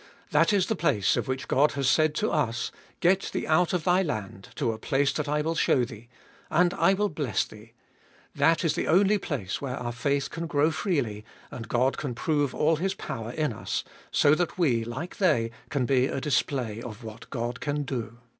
That is the place of which God has said to us : Get thee out of thy land, to a place that I will show tltee, and I will bless thee, — that is the only place where our faith can grow freely, and God can prove all His power in us, so that we, like they, can be a display of what God can do.